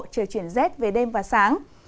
trời chuyển rét về đêm và sáng